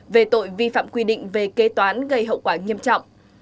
về tội vi phạm quy định về kế toán gây hậu quả nghiêm trọng